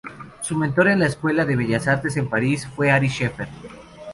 Su mentor en la Escuela de Bellas Artes en París fue Ary Scheffer.